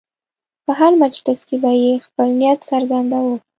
په هر مجلس کې به یې خپل نیت څرګنداوه.